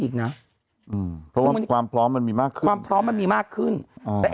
อีกนะอืมเพราะว่าความพร้อมมันมีมากขึ้นความพร้อมมันมีมากขึ้นแต่